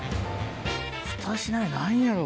２品目何やろ？